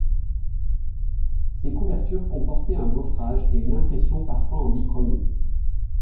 Ses couvertures comportaient un gaufrage et une impression parfois en bichromie.